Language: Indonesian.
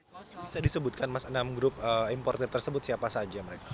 pak yang bisa disebutkan mas enam grup importer tersebut siapa saja mereka